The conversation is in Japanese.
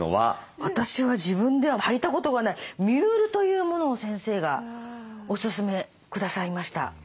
私は自分では履いたことがないミュールというものを先生がおすすめくださいました。